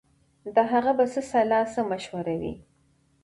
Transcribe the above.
د هغه به څه سلا څه مشوره وي